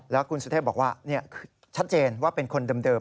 แล้วคุณสุเทพบอกว่าชัดเจนว่าเป็นคนเดิม